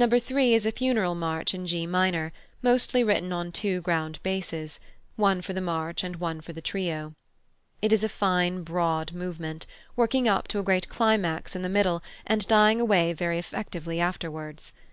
3 is a Funeral March in G minor, mostly written on two ground basses, one for the march and one for the trio. It is a fine broad movement, working up to a great climax in the middle and dying away very effectively afterwards.